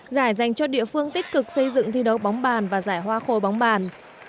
giải dành cho địa phương tích cực xây dựng thi đấu bóng bàn và giải hoa khôi bóng bàn